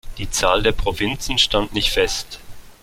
Die Zahl der Provinzen stand nicht fest.